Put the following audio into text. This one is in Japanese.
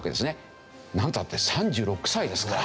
なんたって３６歳ですから。